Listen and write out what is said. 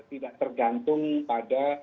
tidak tergantung pada